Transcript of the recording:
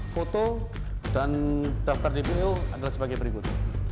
foto dan daftar dpu adalah sebagai berikut